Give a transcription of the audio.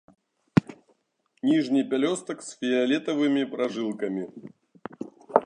Ніжні пялёстак з фіялетавымі пражылкамі.